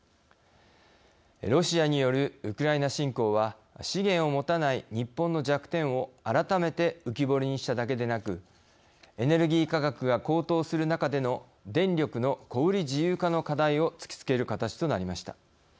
ロシアによるウクライナ侵攻は資源を持たない日本の弱点を改めて浮き彫りにしただけでなくエネルギー価格が高騰する中での電力の小売り自由化の課題を突きつける形となりました。